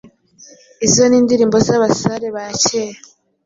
izo n’indirimbo z’abasare bacyera